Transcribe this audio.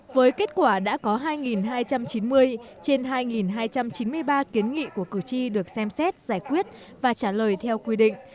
với kết quả đã có hai hai trăm chín mươi trên hai hai trăm chín mươi ba kiến nghị của cử tri được xem xét giải quyết và trả lời theo quy định